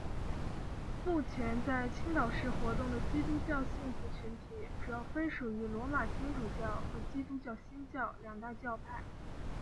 目前在青岛市活动的基督教信徒群体主要分属于罗马天主教和基督教新教两大教派。